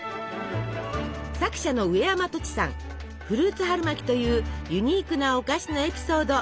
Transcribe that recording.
作者のフルーツ春巻きというユニークなお菓子のエピソード